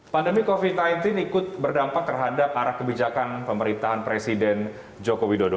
pandemi covid sembilan belas ikut berdampak terhadap arah kebijakan pemerintahan presiden joko widodo